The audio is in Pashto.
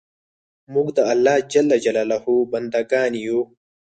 موږ د الله ج بندګان یو